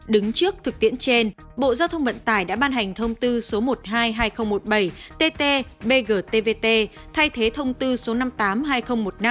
đứng trước thực tiễn trên bộ giao thông vận tải đã ban hành thông tư số một mươi hai hai nghìn một mươi bảy tt bg tvt thay thế thông tư số năm mươi tám hai nghìn một mươi năm